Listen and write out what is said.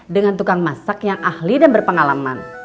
dengan tukang masak yang ahli dan berpengalaman